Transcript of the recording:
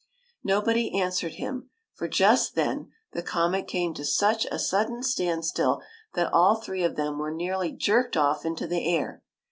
Nobody answered him, for just then the comet came to such a sudden standstill that all three of them were nearly jerked off into the air.